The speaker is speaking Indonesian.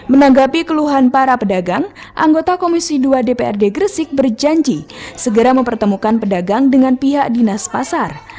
menanggapi keluhan para pedagang anggota komisi dua dprd gresik berjanji segera mempertemukan pedagang dengan pihak dinas pasar